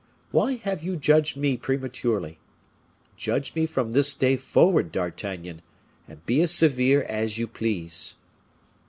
Why have you judged me prematurely? Judge me from this day forward, D'Artagnan, and be as severe as you please."